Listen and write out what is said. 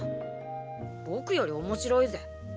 僕より面白いぜ。